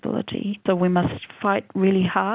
jadi kita harus berjuang dengan keras